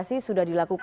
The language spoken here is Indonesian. saya sudah terves beauty